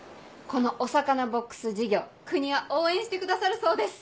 このお魚ボックス事業国は応援してくださるそうです。